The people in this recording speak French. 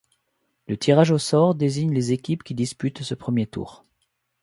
Le tirage au sort désigne les équipes qui disputent ce premier tour.